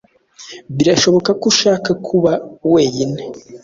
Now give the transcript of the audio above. Birashoboka ko ushaka kuba weine.